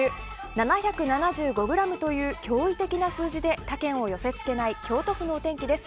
７７５ｇという驚異的な数字で他県を寄せ付けない京都府のお天気です。